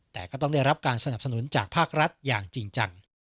แต่ก็ต้องได้รับการสนับสนุนจากภาครัฐอย่างจริงจัง